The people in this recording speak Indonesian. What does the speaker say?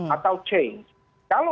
atau change kalau